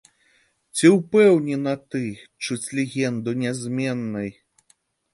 Ці ўпэўнена ты, чуць легенду нязменнай?